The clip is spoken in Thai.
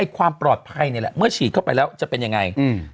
ความปลอดภัยนี่แหละเมื่อฉีดเข้าไปแล้วจะเป็นยังไง